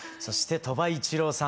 鳥羽一郎さん